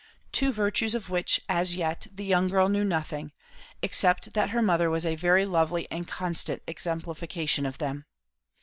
Two virtues of which as yet the girl knew nothing, except that her mother was a very lovely and constant exemplification of them.